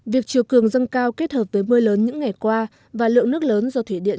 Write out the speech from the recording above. việc chiều cường dâng cao kết hợp với mưa lớn những ngày qua và lượng nước lớn do thủy điện